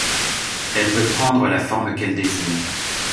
Elle peut prendre la forme qu'elle désire.